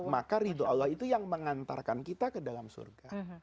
maka ridho allah itu yang mengantarkan kita ke dalam surga